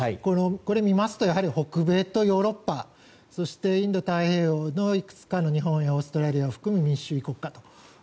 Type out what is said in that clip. これを見ますと北米とヨーロッパそして、インド太平洋の日本やオーストラリアを含む民主主義国家。